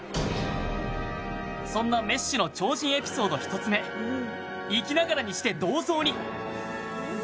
そんなメッシの超人エピソード１つ目生きながらにして銅像に！